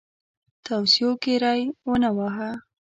توصیو کې ری ونه واهه.